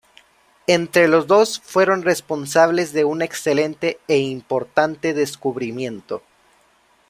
Entre los dos fueron responsables de un excelente e importante descubrimiento.